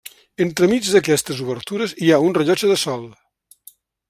Entremig d'aquestes obertures hi ha un rellotge de sol.